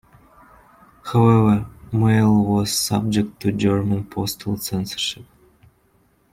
However mail was subject to German postal censorship.